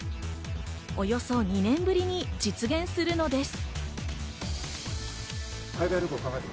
およそ２年ぶりに実現するのです。